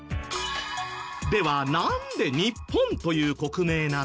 ではなんで日本という国名なの？